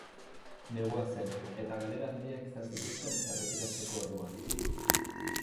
Negua zen eta galera handiak izan zituzten erretiratzeko orduan.